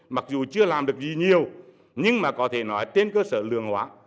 mặc dù chưa làm được gì nhiều nhưng mà có thể nói trên cơ sở lường hóa